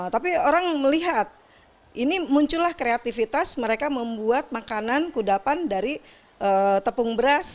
tapi orang melihat ini muncullah kreativitas mereka membuat makanan kudapan dari tepung beras